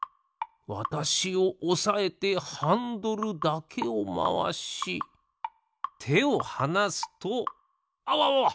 わたしをおさえてハンドルだけをまわしてをはなすとあわわわ！